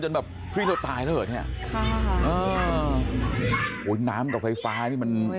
จนแบบพิโดต้ายแล้ว้อเนี่ยโอ๋หัวฤ้นน้ำกับไฟฟ้ันมัน